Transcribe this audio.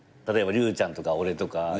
例えば隆ちゃんとか俺とか。